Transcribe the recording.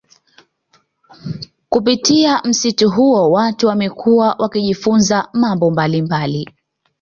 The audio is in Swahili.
Kupitia msitu huo watu wamekuwa wakijifunza mambo mbalimbali